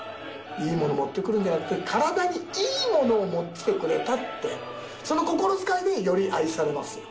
いいもの持ってくるんじゃなくて体にいいものを持ってきてくれたってその心遣いでより愛されますよ。